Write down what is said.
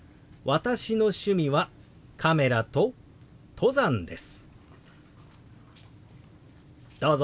私の趣味はカメラと登山です。